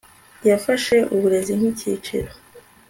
yafashe uburezi nk ikiciro